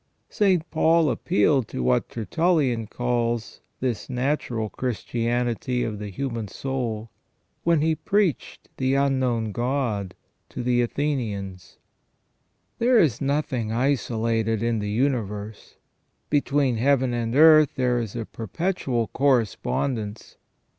St, Paul appealed to what Tertullian calls this natural Christianity of the human soul, when he preached the unknown God to the Athenians. There is nothing isolated in the universe. Between Heaven and earth there is a perpetual correspondence.